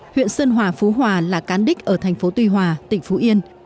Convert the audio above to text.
huyện sơn hòa phú hòa là cán đích ở thành phố tuy hòa tỉnh phú yên